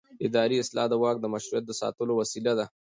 اداري اصلاح د واک د مشروعیت د ساتلو وسیله ده